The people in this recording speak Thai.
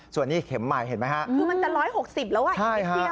ส่วนนี้เข็มใหม่เห็นไหมครับใช่ครับก็มันจะ๑๖๐กิโลเมตรแล้ว